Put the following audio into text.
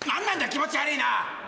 気持ち悪ぃな！